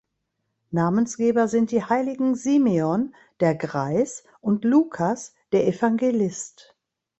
Namensgeber sind die Heiligen Simeon der Greis und Lukas der Evangelist.